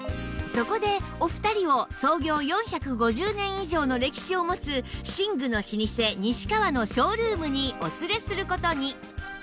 そこでお二人を創業４５０年以上の歴史を持つ寝具の老舗西川のショールームにお連れする事に